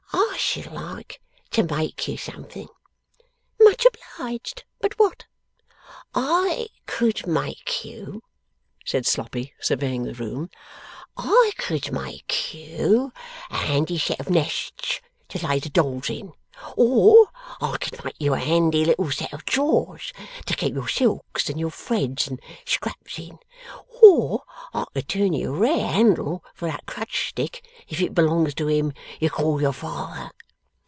I should like to make you something.' 'Much obliged. But what?' 'I could make you,' said Sloppy, surveying the room, 'I could make you a handy set of nests to lay the dolls in. Or I could make you a handy little set of drawers, to keep your silks and threads and scraps in. Or I could turn you a rare handle for that crutch stick, if it belongs to him you call your father.